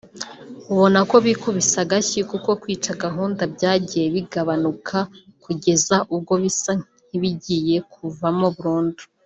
ubona ko bikubise agashyi kuko kwica gahunda byagiye bigabanuka kugeza ubwo bisa n’ibigiye kubavamo burundu